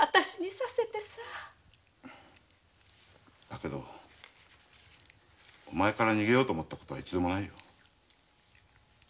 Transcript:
だけどお前から逃げようと思った事は一度もない。